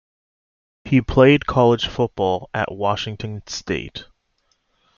He played college football at Washington State.